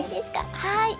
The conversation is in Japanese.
はい。